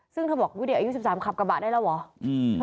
ซึ่งเธอบอกอุ๊ยเด็กอายุ๑๓ขับกระบะได้แล้วเหรอ